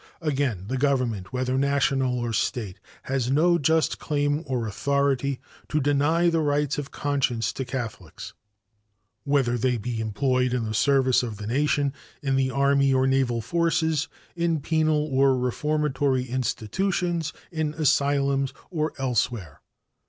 Again, the government, whether National or State, has no just claim or authority to deny the rights of conscience to Catholics, whether they be employed in the service of the nation, in the army or naval forces, in penal or reformatory institutions, in asylums, or elsewhere.